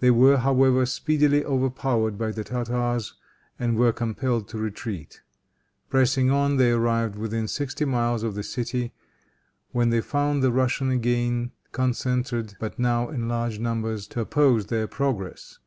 They were, however, speedily overpowered by the Tartars and were compelled to retreat. Pressing on, they arrived within sixty miles of the city, when they found the Russians again concentered, but now in large numbers, to oppose their progress.